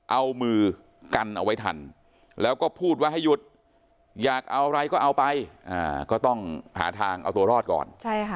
เอามือกันเอาไว้ทันแล้วก็พูดว่าให้หยุดอยากเอาอะไรก็เอาไปก็ต้องหาทางเอาตัวรอดก่อน